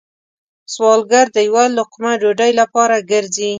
سوالګر د یو لقمه ډوډۍ لپاره گرځي